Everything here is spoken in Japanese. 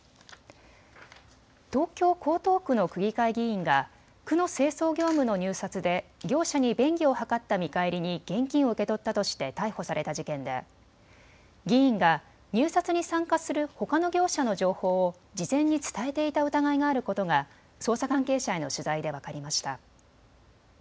東京江東区の区議会議員が区の清掃業務の入札で業者に便宜を図った見返りに現金を受け取ったとして逮捕された事件で議員が入札に参加するほかの業者の情報を事前に伝えていた疑いがあることが捜査関係者への取材で分かりました。